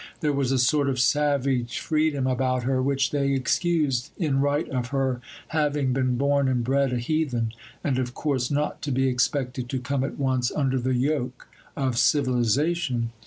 There was a sort of savage freedom about her, which they excused in right of her having been born and bred a heathen, and of course not to be expected to come at once under the yoke of civilization.